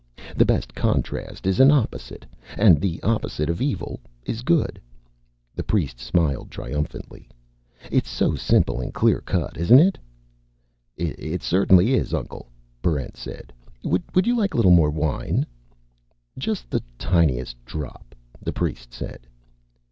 The best contrast is an opposite. And the opposite of Evil is Good." The priest smiled triumphantly. "It's so simple and clear cut, isn't it?" "It certainly is, Uncle," Barrent said. "Would you like a little more wine?" "Just the tiniest drop," the priest said.